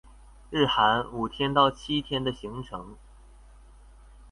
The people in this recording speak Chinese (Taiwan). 日韓五天到七天的行程